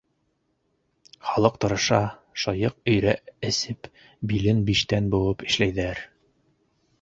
Халыҡ тырыша, шыйыҡ өйрә эсеп, билен биштән быуып эшләйҙәр.